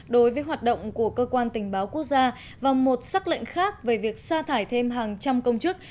đối với hoạt động của cơ quan tình báo quốc gia và một sắc lệnh khác về việc xa thải thêm hàng trăm công chức